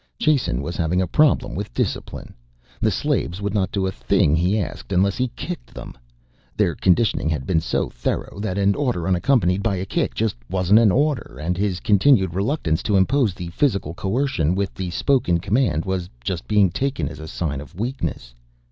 Jason was having a problem with discipline. The slaves would not do a thing he asked unless he kicked them. Their conditioning had been so thorough that an order unaccompanied by a kick just wasn't an order and his continued reluctance to impose the physical coercion with the spoken command was just being taken as a sign of weakness.